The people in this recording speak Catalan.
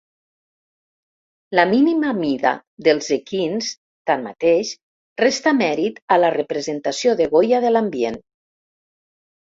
La mínima mida dels equins, tanmateix, resta mèrit a la representació de Goya de l'ambient.